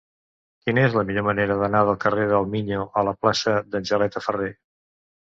Quina és la millor manera d'anar del carrer del Miño a la plaça d'Angeleta Ferrer?